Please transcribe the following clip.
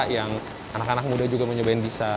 yang anak anak muda juga mau nyobain bisa